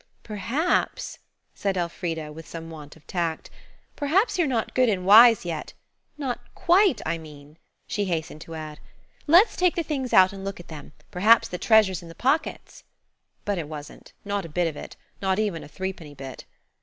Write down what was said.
"Perhaps," said Elfrida, with some want of tact,–"perhaps you're not 'good and wise' yet. Not quite, I mean," she hastened to add. "Let's take the things out and look at them. Perhaps the treasure's in the pockets." But it wasn't–not a bit of it; not even a threepenny bit.